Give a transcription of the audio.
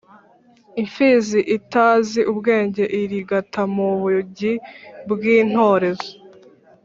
Imfizi itazi ubwenge irigata mu bugi bw’intorezo